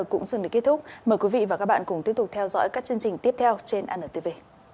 chương trình kết thúc mời quý vị và các bạn cùng tiếp tục theo dõi các chương trình tiếp theo trên antv